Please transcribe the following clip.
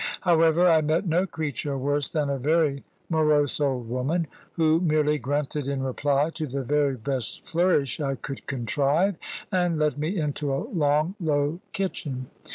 However, I met no creature worse than a very morose old woman, who merely grunted in reply to the very best flourish I could contrive, and led me into a long low kitchen.